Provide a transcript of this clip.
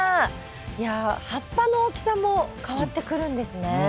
いや葉っぱの大きさも変わってくるんですね。